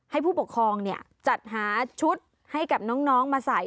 ผู้ปกครองจัดหาชุดให้กับน้องมาใส่